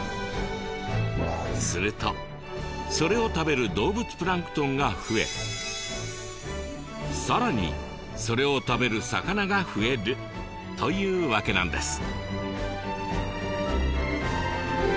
するとそれを食べる動物プランクトンが増えさらにそれを食べる魚が増えるというわけなんです。